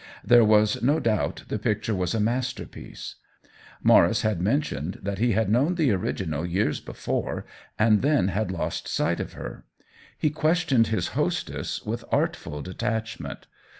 There was no doubt the picture was a masterpiece. Maurice had mentioned that he had known the original years before and then had lost sight of her. He questioned his hostess with artful detachment.